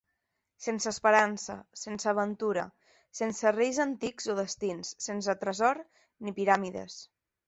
Sense esperança, sense aventura, sense reis antics o destins, sense tresor ni piràmides.